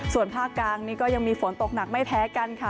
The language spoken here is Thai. ส่วนภาคกลางนี้ก็ยังมีฝนตกหนักไม่แพ้กันค่ะ